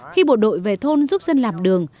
khi bộ đội về thôn giúp dân làm đường